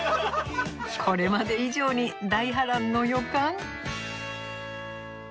これまで以上に大波乱の予感。